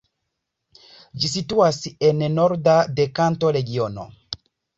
Ĝi situas en norda de Kanto-regiono.